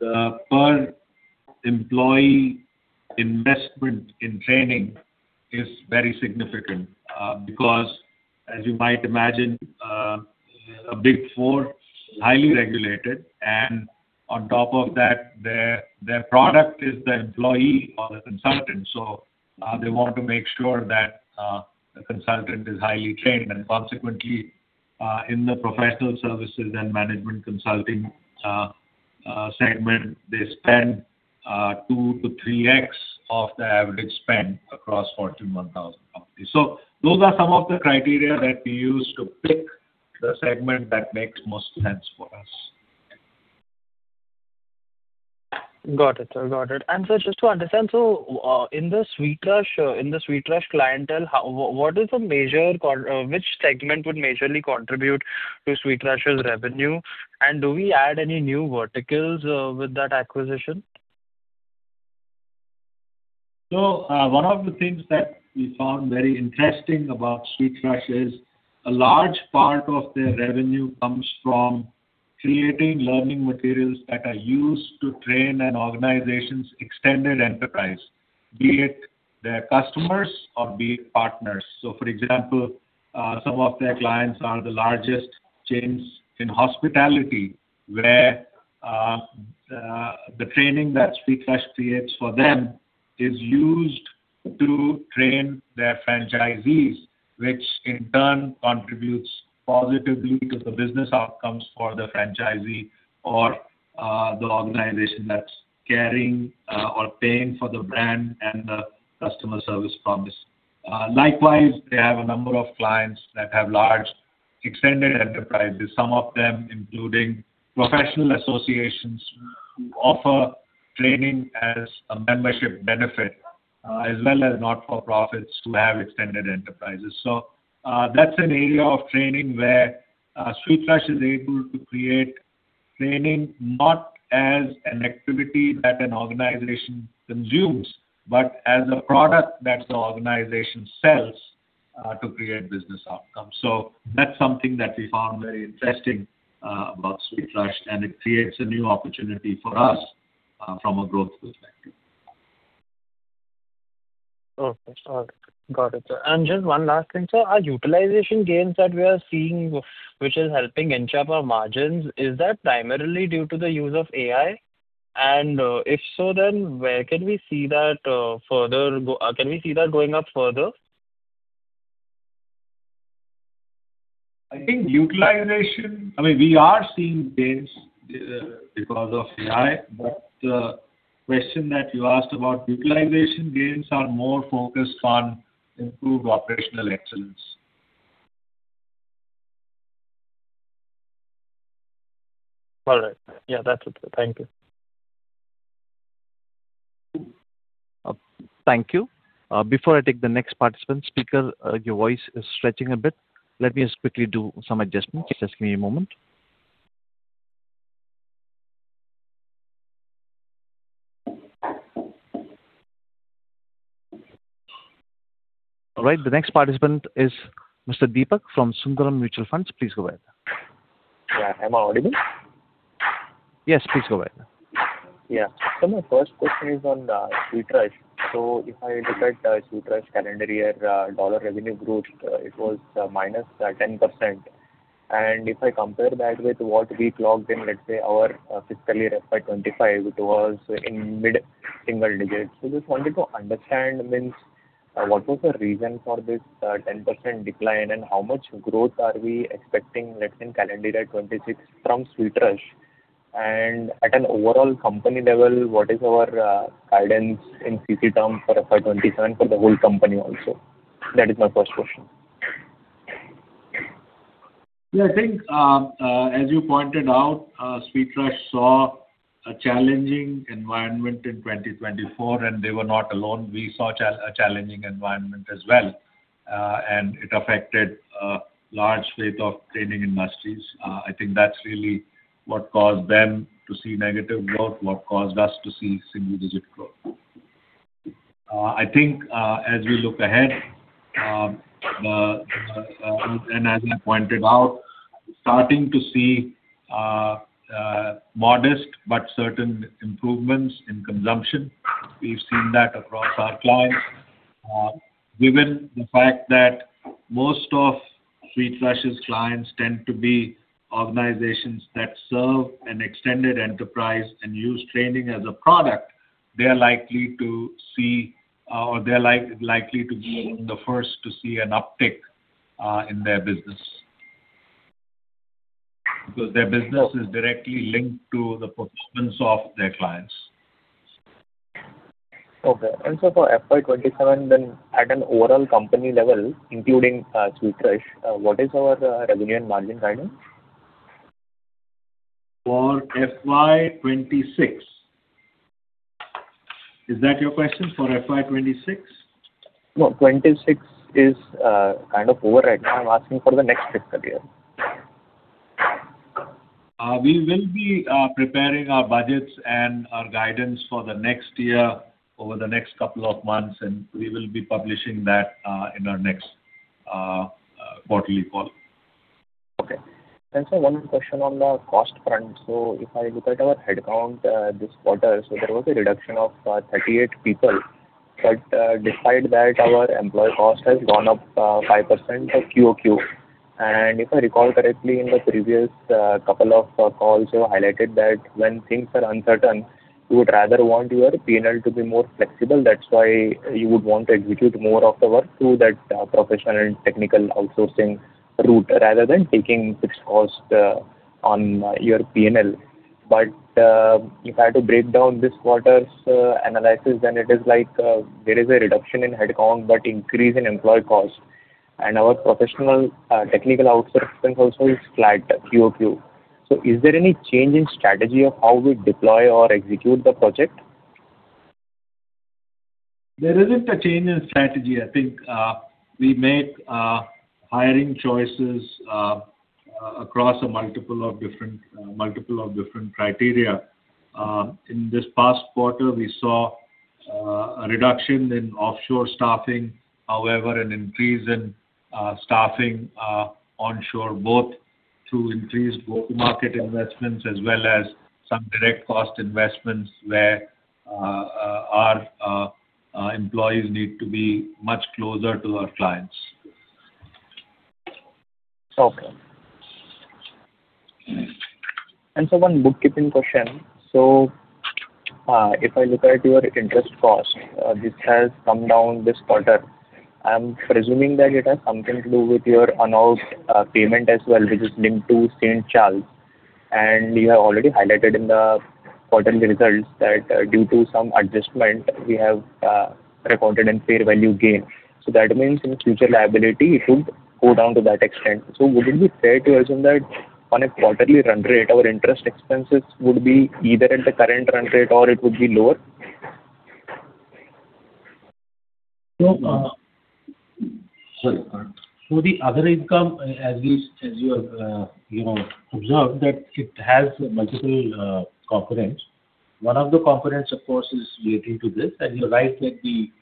the per-employee investment in training is very significant, because, as you might imagine, a Big Four, highly regulated, and on top of that, their product is the employee or the consultant. So, they want to make sure that the consultant is highly trained, and consequently, in the professional services and management consulting segment, they spend 2x-3x of the average spend across Fortune 1,000 companies. So those are some of the criteria that we use to pick the segment that makes most sense for us. Got it, sir. Got it. And sir, just to understand, in the SweetRush clientele, which segment would majorly contribute to SweetRush's revenue? And do we add any new verticals with that acquisition? So, one of the things that we found very interesting about SweetRush is. A large part of their revenue comes from creating learning materials that are used to train an organization's extended enterprise, be it their customers or be it partners. So, for example, some of their clients are the largest chains in hospitality, where the training that SweetRush creates for them is used to train their franchisees, which in turn contributes positively to the business outcomes for the franchisee or the organization that's caring or paying for the brand and the customer service promise. Likewise, they have a number of clients that have large extended enterprises, some of them including professional associations, who offer training as a membership benefit, as well as not-for-profits who have extended enterprises. So, that's an area of training where SweetRush is able to create training not as an activity that an organization consumes, but as a product that the organization sells, to create business outcomes. So that's something that we found very interesting, about SweetRush, and it creates a new opportunity for us, from a growth perspective. Okay. Got it. And just one last thing, sir. Our utilization gains that we are seeing, which is helping inch up our margins, is that primarily due to the use of AI? And, if so, then where can we see that going up further? I think utilization—I mean, we are seeing gains because of AI, but question that you asked about utilization gains are more focused on improved operational excellence. All right. Yeah, that's okay. Thank you. Thank you. Before I take the next participant, speaker, your voice is stretching a bit. Let me just quickly do some adjustments. Just give me a moment. All right, the next participant is Mr. Deepak from Sundaram Mutual Fund. Please go ahead. Yeah. Am I audible? Yes, please go ahead. Yeah. So my first question is on SweetRush. So if I look at SweetRush calendar year dollar revenue growth, it was -10%. And if I compare that with what we clocked in, let's say, our fiscal year FY 2025, it was in mid-single digits. So just wanted to understand, means, what was the reason for this 10% decline, and how much growth are we expecting, let's say, in calendar year 2026 from SweetRush? And at an overall company level, what is our guidance in CC terms for FY 2027 for the whole company also? That is my first question. Yeah, I think, as you pointed out, SweetRush saw a challenging environment in 2024, and they were not alone. We saw a challenging environment as well, and it affected a large slate of training industries. I think that's really what caused them to see negative growth, what caused us to see single-digit growth. I think, as we look ahead, and as you pointed out, starting to see, modest but certain improvements in consumption. We've seen that across our clients. Given the fact that most of SweetRush's clients tend to be organizations that serve an extended enterprise and use training as a product, they are likely to see, or they are likely to be the first to see an uptick, in their business. Because their business is directly linked to the performance of their clients. Okay. And so for FY 2027, then, at an overall company level, including SweetRush, what is our revenue and margin guidance? For FY 2026? Is that your question, for FY 2026? No, 2026 is kind of over right now. I'm asking for the next fiscal year. We will be preparing our budgets and our guidance for the next year over the next couple of months, and we will be publishing that in our next quarterly call. Okay. So one question on the cost front. If I look at our headcount, this quarter, there was a reduction of 38 people, but despite that, our employee cost has gone up 5% for QoQ. If I recall correctly, in the previous couple of calls, you highlighted that when things are uncertain, you would rather want your P&L to be more flexible. That's why you would want to execute more of the work through that professional and technical outsourcing route, rather than taking fixed cost on your P&L. But if I had to break down this quarter's analysis, then it is like there is a reduction in headcount, but increase in employee cost. And our professional technical outsourcing also is flat QoQ. Is there any change in strategy of how we deploy or execute the project? There isn't a change in strategy. I think we make hiring choices across a multiple of different criteria. In this past quarter, we saw a reduction in offshore staffing, however, an increase in staffing onshore, both through increased go-to-market investments as well as some direct cost investments, where our employees need to be much closer to our clients. Okay. And so one bookkeeping question: So, if I look at your interest cost, this has come down this quarter. I'm presuming that it has something to do with your announced payment as well, which is linked to St. Charles. And you have already highlighted in the quarterly results that, due to some adjustment, we have recorded a fair value gain. So that means in future liability, it would go down to that extent. So would it be fair to assume that on a quarterly run rate, our interest expenses would be either at the current run rate or it would be lower? So, so the other income, as we, as you have, you know, observed that it has multiple components. One of the components, of course, is relating to this. And you're right, that the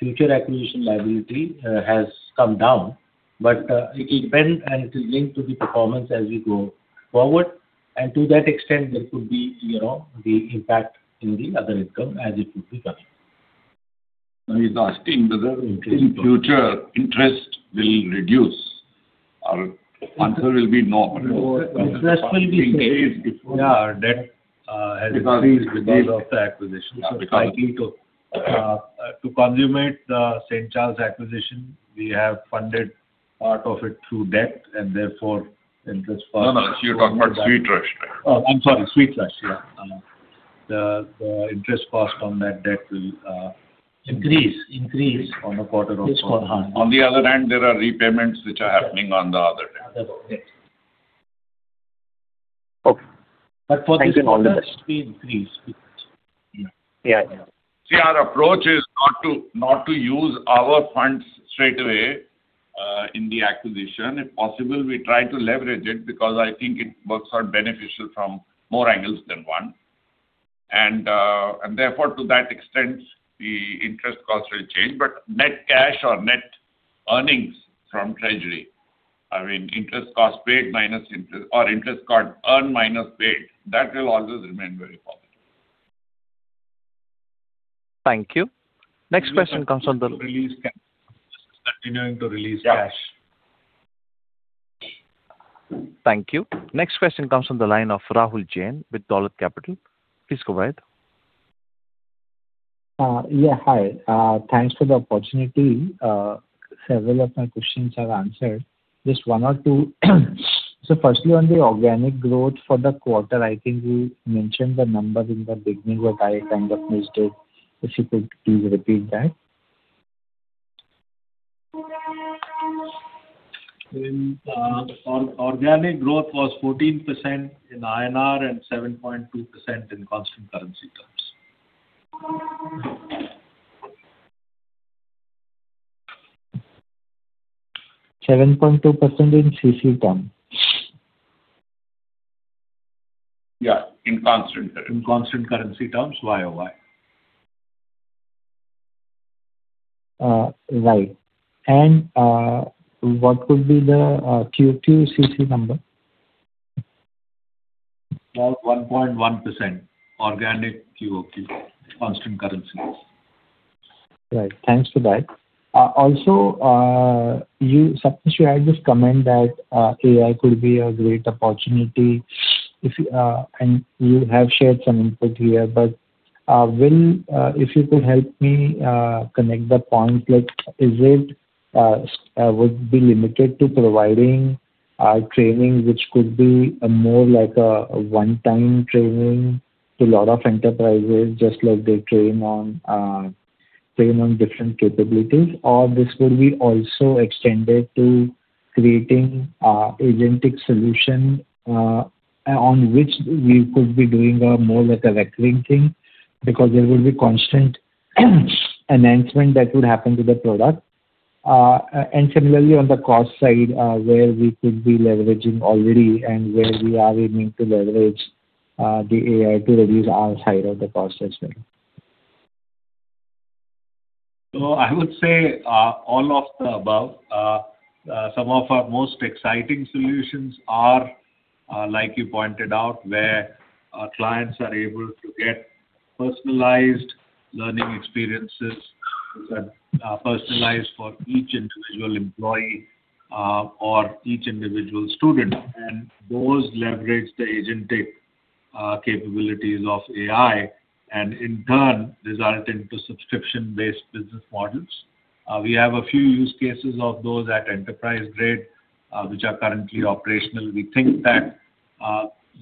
future acquisition liability has come down, but it depends, and it is linked to the performance as we go forward. And to that extent, there could be, you know, the impact in the other income as it would be coming. He's asking whether in future interest will reduce. Our answer will be no. No, interest will be same. Yeah, our debt has increased because of the acquisition. Yeah, because- To consummate the St. Charles acquisition, we have funded part of it through debt, and therefore interest costs- No, no, you're talking about SweetRush. Oh, I'm sorry, SweetRush, yeah. The interest cost on that debt will, Increase, increase. On a quarter over. Yes, go on. On the other hand, there are repayments which are happening on the other debt. Other debt. Okay. But for this quarter, it will increase. Yeah, yeah. See, our approach is not to use our funds straightaway in the acquisition. If possible, we try to leverage it because I think it works out beneficial from more angles than one. And therefore, to that extent, the interest costs will change. But net cash or net earnings from treasury, I mean, interest cost paid minus interest or interest earned minus paid, that will always remain very positive. Thank you. Next question comes from the- Continuing to release cash. Thank you. Next question comes from the line of Rahul Jain with Dolat Capital. Please go ahead. Yeah, hi. Thanks for the opportunity. Several of my questions are answered, just one or two. So firstly, on the organic growth for the quarter, I think you mentioned the number in the beginning, but I kind of missed it. If you could please repeat that. Organic growth was 14% in INR and 7.2% in constant currency terms. 7.2% in CC terms? Yeah, in constant currency terms, YoY. Right. And what would be the Q2 CC number? About 1.1%, organic QoQ, constant currency. Right. Thanks for that. Also, you, Sapnesh, you had this comment that AI could be a great opportunity, if you... and you have shared some input here, but, if you could help me connect the points, like, is it would be limited to providing training, which could be a more like a one-time training to a lot of enterprises, just like they train on train on different capabilities? Or this will be also extended to creating agentic solution on which we could be doing more like a recurring thing, because there will be constant enhancement that would happen to the product. And similarly, on the cost side, where we could be leveraging already and where we are aiming to leverage the AI to reduce our side of the cost as well? So I would say all of the above. Some of our most exciting solutions are, like you pointed out, where our clients are able to get personalized learning experiences, personalized for each individual employee, or each individual student. And those leverage the agentic capabilities of AI, and in turn, result into subscription-based business models. We have a few use cases of those at enterprise grade, which are currently operational. We think that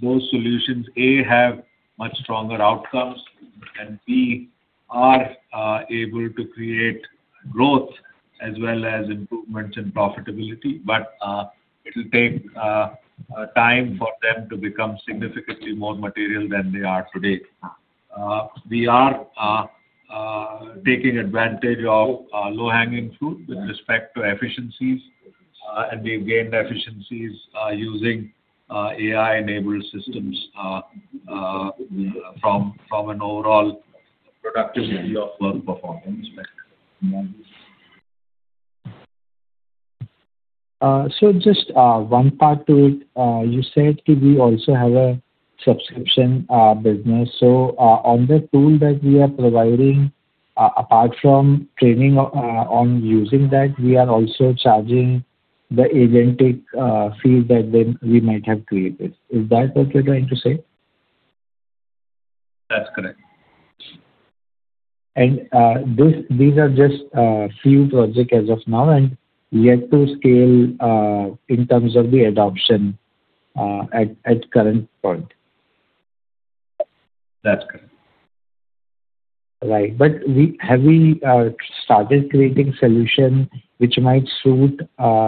those solutions, A, have much stronger outcomes, and B, are able to create growth as well as improvements in profitability. But it will take time for them to become significantly more material than they are today. We are taking advantage of low-hanging fruit with respect to efficiencies, and we've gained efficiencies using AI-enabled systems from an overall productivity of work performance. So just one part to it. You said that we also have a subscription business. So, on the tool that we are providing, apart from training on using that, we are also charging the agentic fee that then we might have created. Is that what you're trying to say? That's correct. These are just few projects as of now, and yet to scale in terms of the adoption at current point? That's correct. Right. But have we started creating solution which might suit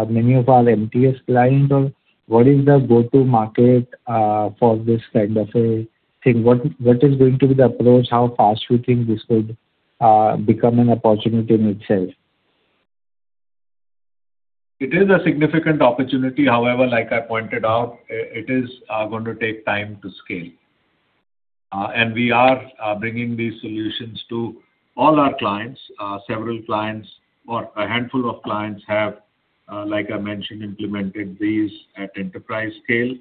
many of our MTS clients? Or what is the go-to market for this kind of a thing? What is going to be the approach? How fast do you think this could become an opportunity in itself? It is a significant opportunity. However, like I pointed out, it is going to take time to scale. And we are bringing these solutions to all our clients. Several clients or a handful of clients have, like I mentioned, implemented these at enterprise scale.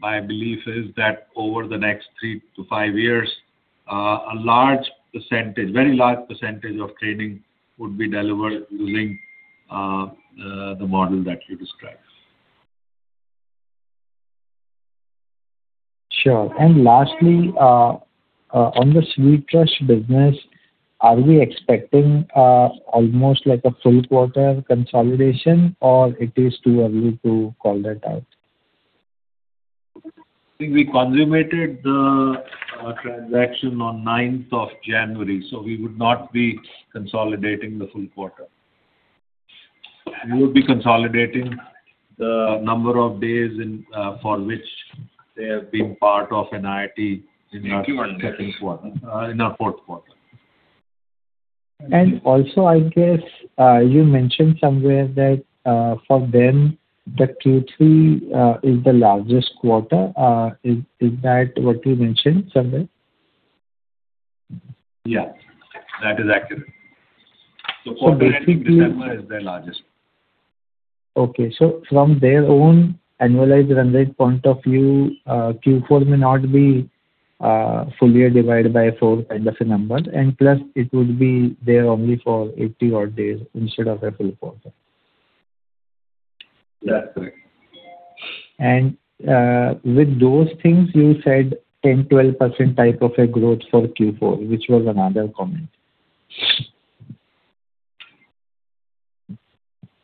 My belief is that over the next 3-5 years, a large percentage, very large percentage of training would be delivered using the model that you described. Sure. And lastly, on the SweetRush business, are we expecting almost like a full quarter consolidation, or it is too early to call that out? I think we consummated the transaction on ninth of January, so we would not be consolidating the full quarter. We would be consolidating the number of days in for which they have been part of NIIT in our third quarter in our fourth quarter. I guess, you mentioned somewhere that for them, the Q3 is the largest quarter. Is that what you mentioned somewhere? Yeah, that is accurate. So quarter ending December is their largest. Okay. So from their own annualized run rate point of view, Q4 may not be fully divided by four kind of a number, and plus it would be there only for 80-odd days instead of a full quarter. That's correct. With those things you said 10%-12% type of a growth for Q4, which was another comment.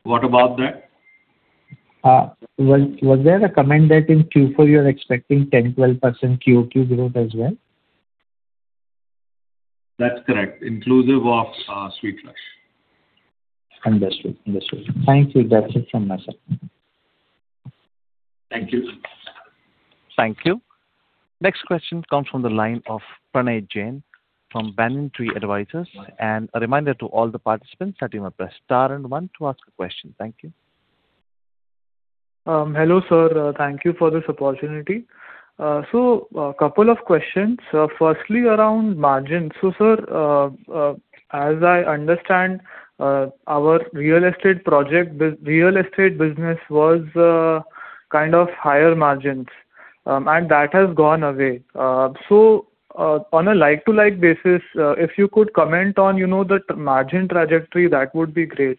What about that? Was there a comment that in Q4 you're expecting 10-12% QoQ growth as well? That's correct. Inclusive of, SweetRush. Understood. Understood. Thank you. That's it from my side. Thank you. Thank you. Next question comes from the line of Pranay Jain from Banyan Tree Advisors. A reminder to all the participants that you must press star and one to ask a question. Thank you. Hello, sir. Thank you for this opportunity. So, couple of questions. Firstly, around margins. So, sir, as I understand, our real estate business was kind of higher margins, and that has gone away. So, on a like-for-like basis, if you could comment on, you know, the margin trajectory, that would be great.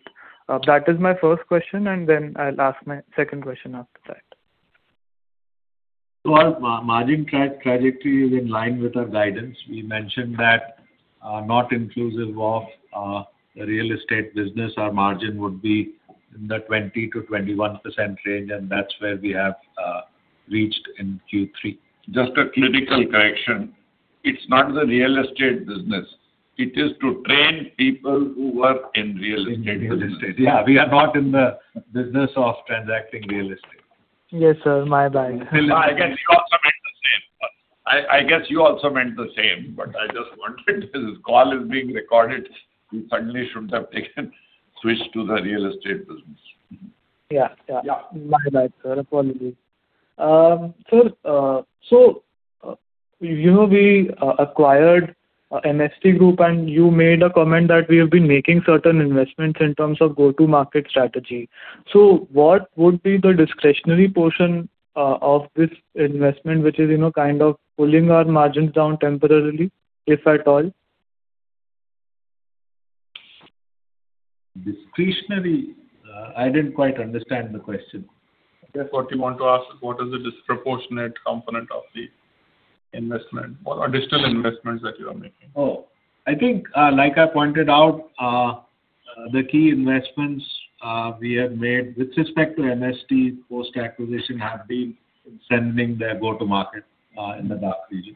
That is my first question, and then I'll ask my second question after that. So our margin trajectory is in line with our guidance. We mentioned that, not inclusive of, the real estate business, our margin would be in the 20%-21% range, and that's where we have reached in Q3. Just a critical correction. It's not the real estate business. It is to train people who work in real estate business. Yeah, we are not in the business of transacting real estate. Yes, sir, my bad. I guess you also meant the same, but I just wanted to. This call is being recorded. We suddenly shouldn't have taken switch to the real estate business. Yeah. Yeah. Yeah. My bad, sir. Apologies. Sir, so, you know, we acquired the MST Group, and you made a comment that we have been making certain investments in terms of go-to-market strategy. So what would be the discretionary portion of this investment, which is, you know, kind of pulling our margins down temporarily, if at all? Discretionary? I didn't quite understand the question. That's what you want to ask, what is the disproportionate component of the investment or additional investments that you are making? Oh, I think, like I pointed out, the key investments, we have made with respect to MST post-acquisition have been in strengthening their go-to-market, in the DACH region.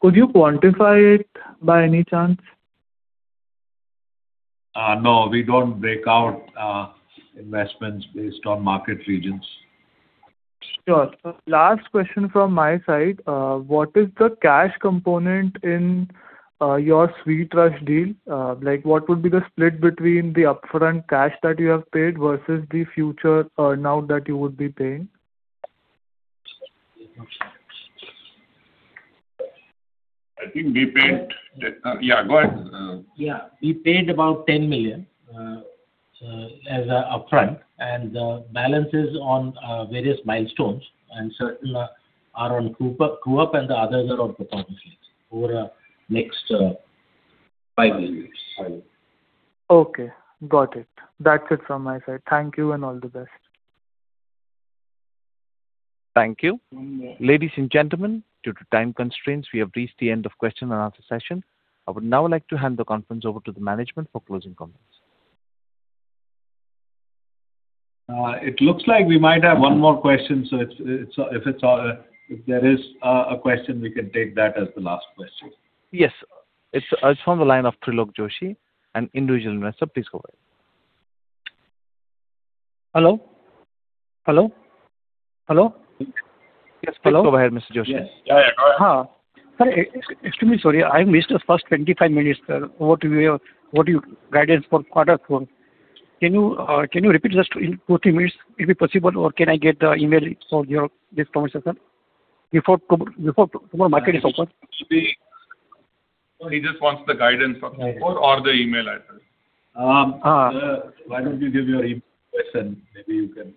Could you quantify it by any chance? No, we don't break out investments based on market regions. Sure. Last question from my side. What is the cash component in your SweetRush deal? Like, what would be the split between the upfront cash that you have paid versus the future now that you would be paying? I think we paid... Yeah, go ahead. Yeah, we paid about 10 million as an upfront, and the balance is on various milestones, and certain are on Q1, Q2, and the others are on the profit fees over the next five years. Okay, got it. That's it from my side. Thank you and all the best. Thank you. Ladies and gentlemen, due to time constraints, we have reached the end of question-and-answer session. I would now like to hand the conference over to the management for closing comments. It looks like we might have one more question, so it's if it's all... If there is a question, we can take that as the last question. Yes. It's from the line of Trilok Joshi, an individual investor. Please go ahead. Hello? Hello? Hello? Yes, go ahead, Mr. Joshi. Yeah, yeah. Hi, extremely sorry. I missed the first 25 minutes, sir. What you, what you guidance for quarter four. Can you, can you repeat just in two, three minutes, if it possible, or can I get the email for your, this conversation before before tomorrow market open? He just wants the guidance for quarter four or the email address. Why don't you give your email address, and maybe you can.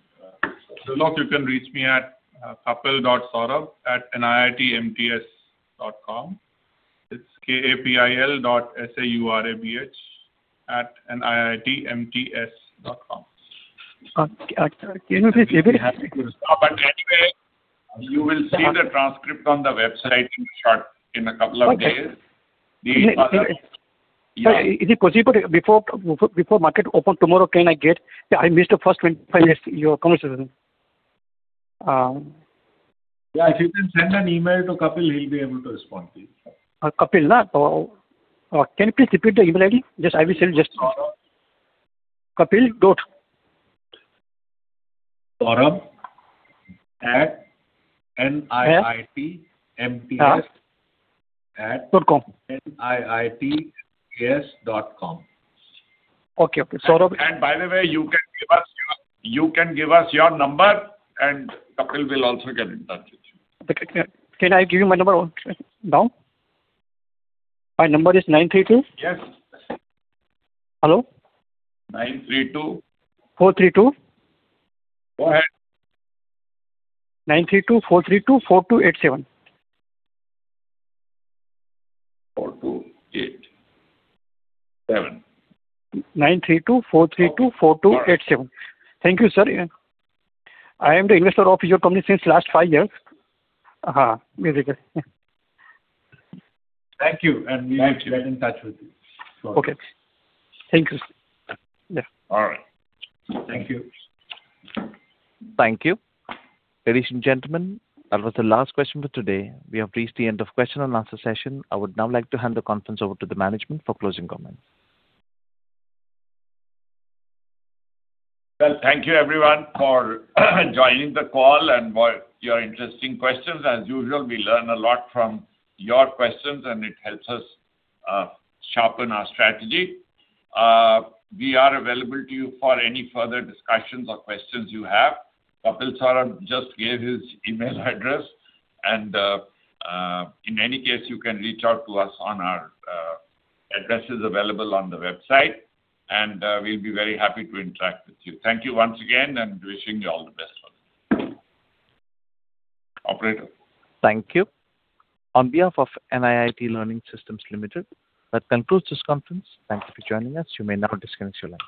You know, you can reach me at kapil.saurabh@niitmts.com. It's K-A-P-I-L dot S-A-U-R-A-B-H at niitmts.com. Sir, can you repeat again? But anyway, you will see the transcript on the website in short, in a couple of days. Sir, is it possible before market open tomorrow, can I get? I missed the first 25 minutes, your conversation. Yeah, if you can send an email to Kapil, he'll be able to respond to you. Kapil? Can you please repeat the email ID? Just, I will send just... kapil dot- saurabh@niitmts.com. Okay, okay. Saurabh- And by the way, you can give us, you can give us your number, and Kapil will also get in touch with you. Can I give you my number now? My number is 932- Yes. Hello. 932... 4 3 2. Go ahead. 932-432-4287. 4287. 932-432-4287. Thank you, sir. I am the investor of your company since last five years. Very good. Thank you, and we will get in touch with you. Okay. Thank you. Yeah. All right. Thank you. Thank you. Ladies and gentlemen, that was the last question for today. We have reached the end of question and answer session. I would now like to hand the conference over to the management for closing comments. Well, thank you everyone for joining the call and for your interesting questions. As usual, we learn a lot from your questions, and it helps us sharpen our strategy. We are available to you for any further discussions or questions you have. Kapil Saurabh just gave his email address, and in any case, you can reach out to us on our addresses available on the website, and we'll be very happy to interact with you. Thank you once again, and wishing you all the best for it. Operator. Thank you. On behalf of NIIT Learning Systems Limited, that concludes this conference. Thank you for joining us. You may now disconnect your line.